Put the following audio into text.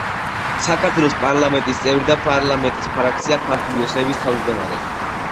საქართველოს პარლამენტის წევრი და პარლამენტის ფრაქცია „ქართული ოცნების“ თავმჯდომარე.